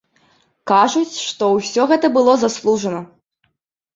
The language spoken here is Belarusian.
Кажуць, што ўсё гэта было заслужана.